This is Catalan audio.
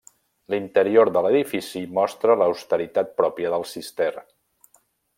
L'interior de l'edifici mostra l'austeritat pròpia del Cister.